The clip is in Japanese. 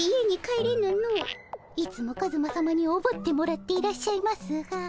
いつもカズマさまにおぶってもらっていらっしゃいますが。